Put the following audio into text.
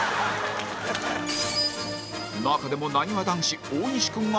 中でもなにわ男子大西君が